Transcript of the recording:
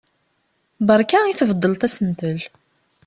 Beṛka i tbeddleḍ asentel!